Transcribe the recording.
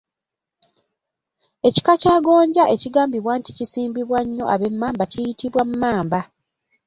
Ekika kya gonja ekigambibwa nti kisimbibwa nnyo ab’Emmamba kiyitibwa Mmamba.